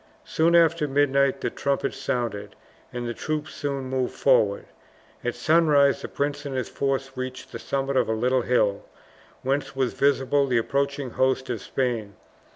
Soon after midnight the trumpets sounded, and the troops soon moved forward. At sunrise the prince and his forces reached the summit of a little hill, whence was visible the approaching host of Spain.